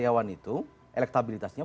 ahmad ibrahim itu elektabilitasnya